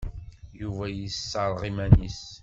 Yuba yesserɣ iman-nnes.